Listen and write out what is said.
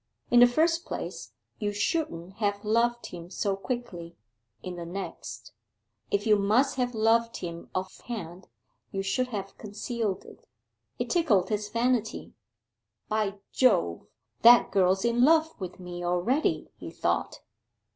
In the first place, you shouldn't have loved him so quickly: in the next, if you must have loved him off hand, you should have concealed it. It tickled his vanity: "By Jove, that girl's in love with me already!" he thought.